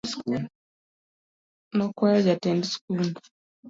Nokwayo jatend skul.